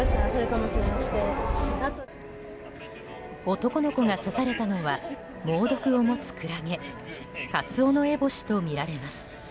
男の子が刺されたのは猛毒を持つクラゲカツオノエボシとみられます。